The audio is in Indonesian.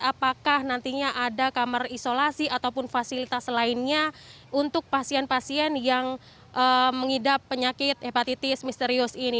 apakah nantinya ada kamar isolasi ataupun fasilitas lainnya untuk pasien pasien yang mengidap penyakit hepatitis misterius ini